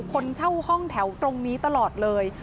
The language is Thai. คนเช่าห้องแถวตรงนี้ตลอดเลย